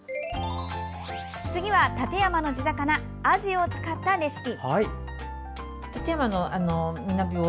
次は、館山の地魚あじを使ったレシピ。